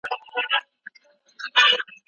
د خبر رسولو سيستمونه تر پخوا ډېر ګړندي دي.